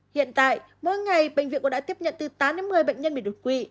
hiện tại mỗi ngày bệnh viện cũng đã tiếp nhận từ tám đến một mươi bệnh nhân bị đột quỵ